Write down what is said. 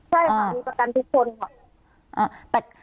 ใช่มีประกันทุกคน